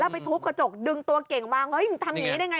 ไปทุบกระจกลลึงตัวเก่งลงมา